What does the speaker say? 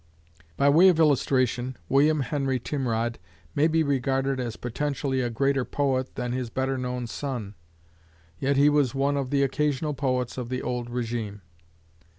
By way of illustration, William Henry Timrod may be regarded as potentially a greater poet than his better known son. Yet he was one of the occasional poets of the old régime.